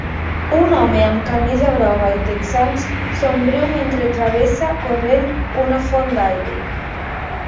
Un home amb camisa groga i texans somriu mentre travessa corrent una font d'aigua.